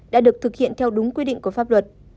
đã được thực hiện theo đúng quy định của pháp luật